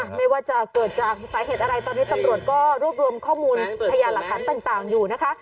ไม่ว่าจะเกิดจากสาเหตุอะไรตอนนี้ตำรวจก็รวบรวมข้อมูลพยานหลักฐานต่างอยู่นะคะ